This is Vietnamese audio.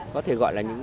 có thể gọi là những